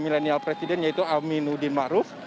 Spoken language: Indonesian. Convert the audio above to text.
daniel presiden yaitu aminuddin ma'ruf